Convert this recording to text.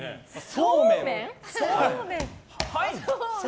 そうめん？